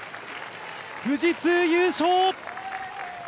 富士通優勝！